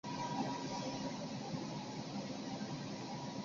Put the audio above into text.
弗拉索夫曾参与一届奥运会的射击比赛。